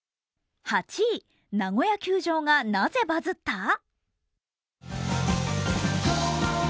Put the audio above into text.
８位、ナゴヤ球場がなぜバズった？